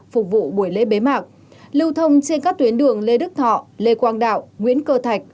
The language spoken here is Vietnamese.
phục vụ buổi lễ bế mạc lưu thông trên các tuyến đường lê đức thọ lê quang đạo nguyễn cơ thạch